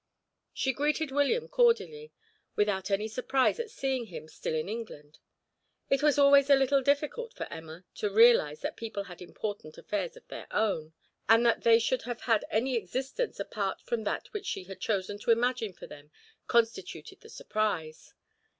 She greeted William cordially, without any surprise at seeing him still in England; it was always a little difficult for Emma to realize that people had important affairs of their own; and that they should have had any existence apart from that which she had chosen to imagine for them constituted the surprise.